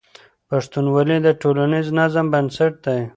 پښتونولي د ټولنیز نظم بنسټ دی.